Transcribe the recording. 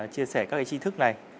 chia sẻ các chi thức này